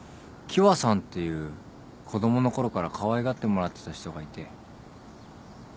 喜和さんっていう子供のころからかわいがってもらってた人がいて。